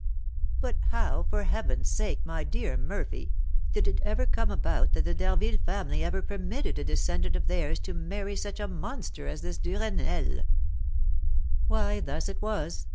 "But how, for heaven's sake, my dear Murphy, did it ever come about that the D'Harville family ever permitted a descendant of theirs to marry such a monster as this Duresnel?" "Why, thus it was.